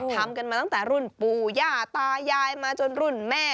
ทำกันมาตั้งแต่รุ่นปู่ย่าตายายมาจนรุ่นแม่